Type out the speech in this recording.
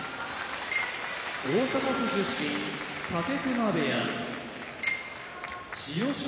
大阪府出身武隈部屋千代翔